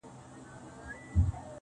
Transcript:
نور خپلي ويني ته شعرونه ليكو.